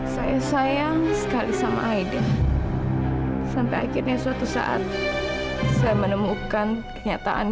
saya menemukan kenyataan